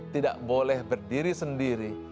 tidak boleh berdiri sendiri